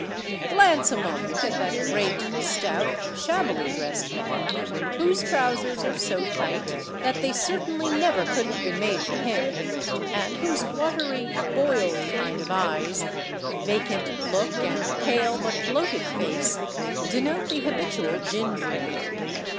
Glance a moment at that great, stout, shabbily dressed man, whose trousers are so tight that they certainly never could have been made for him, and whose watery boiled kind of eyes, vacant look, and pale but bloated face, denote the habitual gin drinker.